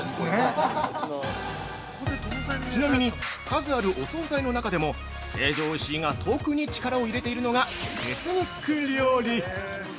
ちなみに数あるお総菜の中でも成城石井が特に力を入れているのがエスニック料理。